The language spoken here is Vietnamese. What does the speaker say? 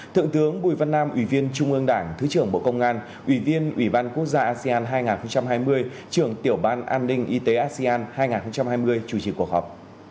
thượng tướng bùi văn nam ủy viên trung ương đảng thứ trưởng bộ công an ủy viên ủy ban quốc gia asean hai nghìn hai mươi trưởng tiểu ban an ninh y tế asean hai nghìn hai mươi chủ trì cuộc họp